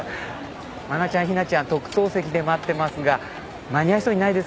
真菜ちゃん陽菜ちゃん特等席で待ってますが間に合いそうにないですか？